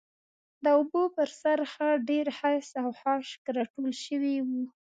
د اوبو پر سر ښه ډېر خس او خاشاک راټول شوي و.